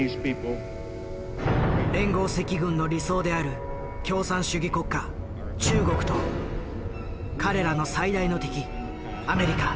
連合赤軍の理想である共産主義国家中国と彼らの最大の敵アメリカ。